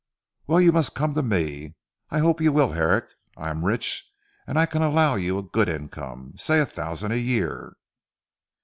"Well you must come to me. I hope you will Herrick. I am rich, and I can allow you a good income say a thousand a year."